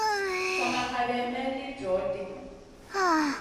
Sa ma haɗeyn may li joh ɗi.